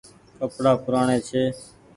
ڪپڙآ پوُرآڻي ڇي۔